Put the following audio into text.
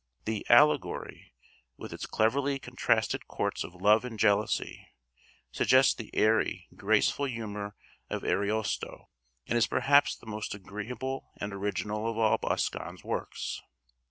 The 'Allegory,' with its cleverly contrasted courts of Love and Jealousy, suggests the airy, graceful humor of Ariosto, and is perhaps the most agreeable and original of all Boscan's works.